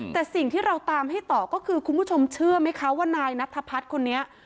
แต่สิ่งที่เราตามให้ต่อก็คือคุณผู้ชมเชื่อไหมคะว่านายนัทพัฒน์คนนี้